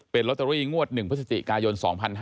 เป็นลอตเตอรี่งวด๑พฤศจิกายน๒๕๕๙